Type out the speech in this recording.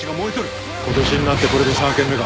今年になってこれで３軒目か。